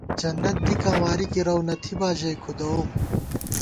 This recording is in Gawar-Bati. جنت دِکاں واری کی رَؤ نہ تھِبا ژَئی کھُدَؤم